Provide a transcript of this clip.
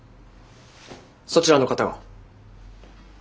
そちらの方が。